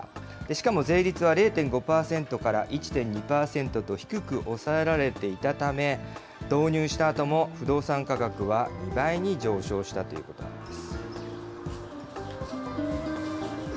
しかも税率は０．５％から１．２％と低く抑えられていたため、導入したあとも、不動産価格は２倍に上昇したということなんです。